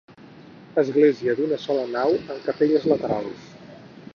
Església d'una sola nau amb capelles laterals.